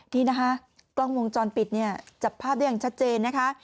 นี่นะคะกล้องวงจรปิดเนี่ยจับภาพได้อย่างชัดเจนนะคะ